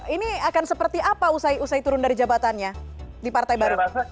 ini akan seperti apa usai turun dari jabatannya di partai baru